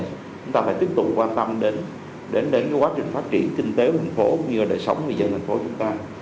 chúng ta phải tiếp tục quan tâm đến quá trình phát triển kinh tế của thành phố cũng như đời sống người dân thành phố của chúng ta